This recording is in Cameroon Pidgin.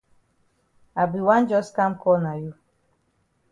I be wan jus kam call na you.